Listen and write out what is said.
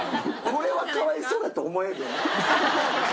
これはかわいそうやと思えるん？